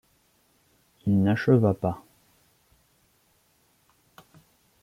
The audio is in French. Il n’acheva pas.